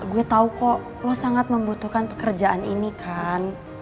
gue tau kok lo sangat membutuhkan pekerjaan ini kan